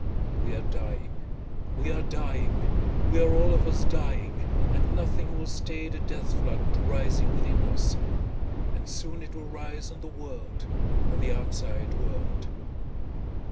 We are dying, we are dying, we are all of us dying and nothing will stay the death flood rising within us and soon it will rise on the world, on the outside world.